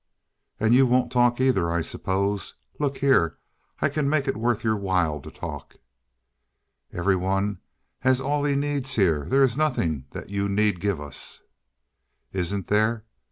"And you won't talk either, I suppose? Look here, I can make it worth your while to talk." "Everyone has all he needs here. There is nothing that you need give us." "Isn't there?